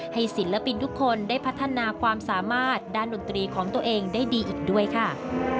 ศิลปินทุกคนได้พัฒนาความสามารถด้านดนตรีของตัวเองได้ดีอีกด้วยค่ะ